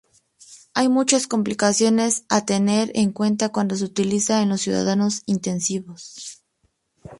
Hay muchas complicaciones a tener en cuenta cuando se utiliza en los cuidados intensivos.